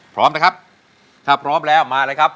พร้อมนะครับถ้าพร้อมแล้วมาเลยครับ